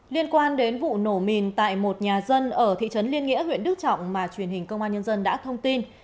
liên quan đến vụ nổ mìn tại một nhà dân ở thị trấn liên nghĩa huyện đức trọng mà truyền hình công an nhân dân đã thông tin